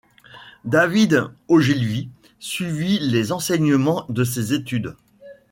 David Ogilvy suivit les enseignements de ses études.